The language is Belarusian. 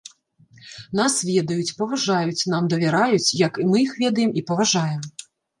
Нас ведаюць, паважаюць, нам давяраюць, як і мы іх ведаем і паважаем.